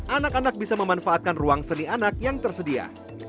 anak anak bisa memanfaatkan ruang seni anak yang tersedia